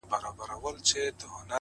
• ستا د زهرې پلوشې وتخنوم,